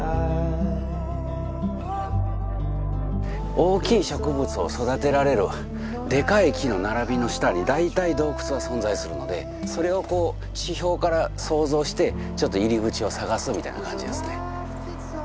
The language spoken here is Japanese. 大きい植物を育てられるでかい木の並びの下に大体洞窟は存在するのでそれをこう地表から想像してちょっと入り口を探すみたいな感じですね。